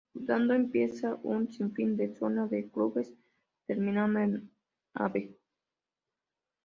Udaondo empieza un sinfín de zona de clubes terminando en la Av.